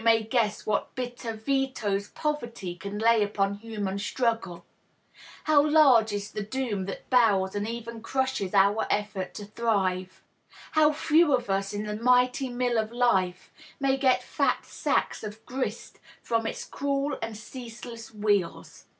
may guess what bitter vetoes poverty can lay upon human struggle — how large is the doom that bows and even crushes our effort to thrive — how few of us in the mighty mill of life may get fat sacks of grist from its cruel and ceaseless wheels